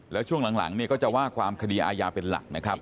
แล้วช่วงหลังเนี่ยก็จะว่าความคดีอาญาเป็นหลักนะครับ